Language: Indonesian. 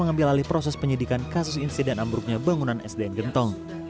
mengambil alih proses penyidikan kasus insiden ambruknya bangunan sdn gentong